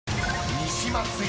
西松屋！